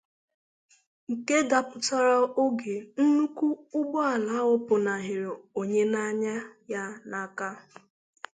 nke dapụtara oge nnukwu ụgbọala ahụ pụnahịrị onye na-anya ya n'aka